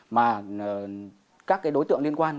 mà các đối tượng liên quan